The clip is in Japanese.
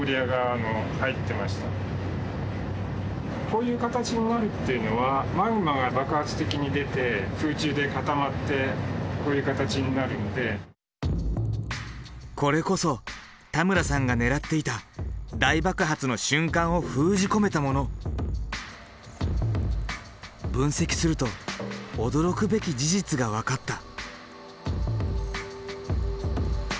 こういう形になるっていうのはこれこそ田村さんが狙っていた大爆発の瞬間を封じ込めたもの。分析すると驚くべき事実が分かった。